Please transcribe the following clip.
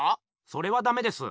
それはダメです。